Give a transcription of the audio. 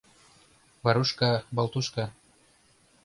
Варушка-Болтушка...